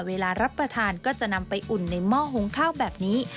เวลารับประทานก็จะนำไปอุ่นในหม้อหงข้าวแบบนี้